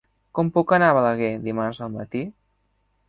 Com puc anar a Balaguer dimarts al matí?